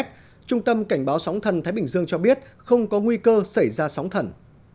trung tâm cảnh báo sóng thần thái bình dương cho biết không có nguy cơ xảy ra sóng thần